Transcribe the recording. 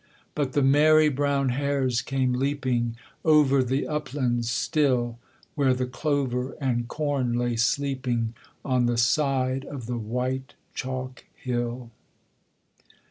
But the merry brown hares came leaping Over the uplands still, Where the clover and corn lay sleeping On the side of the white chalk hill.